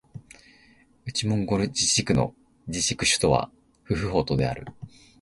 内モンゴル自治区の自治区首府はフフホトである